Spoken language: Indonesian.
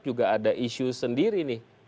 juga ada isu sendiri nih